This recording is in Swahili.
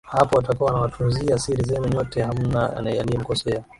Hapo atakuwa anawatunzia siri zenu nyote hamna aliyemkosea